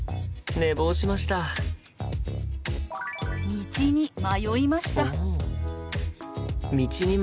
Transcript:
道に迷いました。